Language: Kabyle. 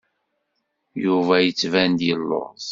Yuba yettban-d yelluẓ.